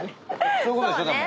そういうことでしょ。